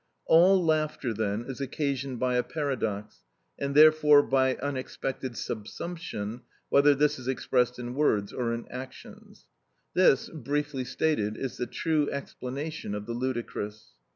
All laughter then is occasioned by a paradox, and therefore by unexpected subsumption, whether this is expressed in words or in actions. This, briefly stated, is the true explanation of the ludicrous.